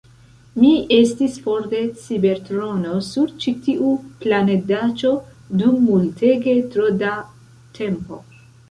Mi estis for de Cibertrono sur ĉi tiu planedaĉo dum multege tro da tempo!